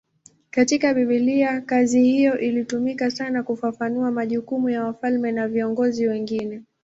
Katika Biblia kazi hiyo ilitumika sana kufafanua majukumu ya wafalme na viongozi wengine.